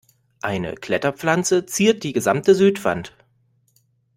Eine Kletterpflanze ziert die gesamte Südwand.